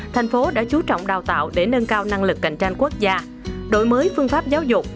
thành phố đã chú trọng đào tạo để nâng cao năng lực cạnh tranh quốc gia đổi mới phương pháp giáo dục